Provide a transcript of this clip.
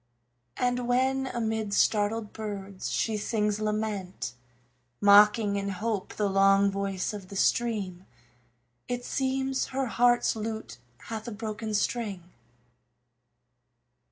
And when amid startled birds she sings lament, Mocking in hope the long voice of the stream, It seems her heart's lute hath a broken string.